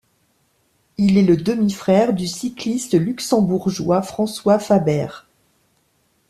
Il est le demi-frère du cycliste luxembourgeois François Faber.